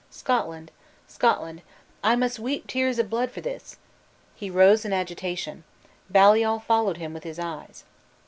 Scotland! Scotland! I must weep tears of blood for this!" He rose in agitation. Baliol followed him with his eyes.